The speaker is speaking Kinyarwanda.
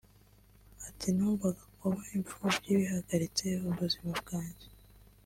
Ati “Numvaga kuba imfubyi bihagaritse ubuzima bwanjye